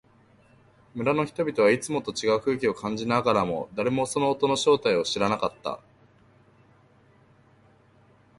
村の人々はいつもと違う空気を感じながらも、誰もその音の正体を知らなかった。